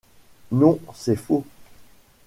Non, c’est faux…